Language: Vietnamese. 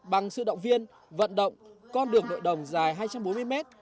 bằng sự động viên vận động con đường nội đồng dài hai trăm bốn mươi mét